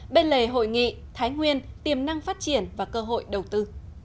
bên lề hội nghị thái nguyên tiềm năng phát triển và cơ hội đầu tư